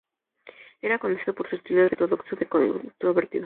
Era conocido por su estilo heterodoxo y controvertido.